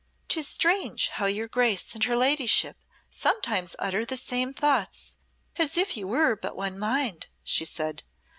"'Tis strange how your Grace and her ladyship sometimes utter the same thoughts, as if you were but one mind," she said.